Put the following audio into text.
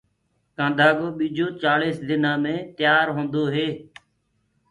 ڪآنڌآ ڪو ٻيجو چآززݪيِس دنآ مي تآر هوندو هي۔